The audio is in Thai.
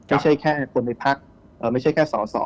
ไม่ใช่แค่คนในพักไม่ใช่แค่สอสอ